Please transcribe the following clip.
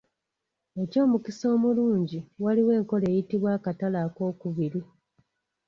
Eky'omukisa omulungi waliwo enkola eyitibwa Akatale Ak'okubiri.